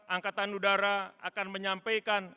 angkatan udara akan menyampaikan